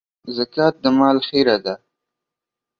زکات د مال خيره ده.